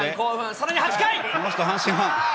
さらに８回。